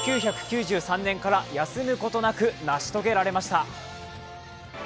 １９９３年から休むことなく成し遂げられました。